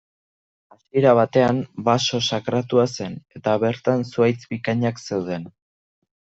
Hasiera batean, baso sakratua zen eta bertan zuhaitz bikainak zeuden.